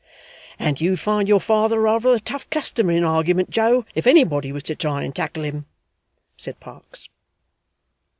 'And you'd find your father rather a tough customer in argeyment, Joe, if anybody was to try and tackle him,' said Parkes.